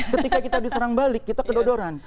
ketika kita diserang balik kita kedodoran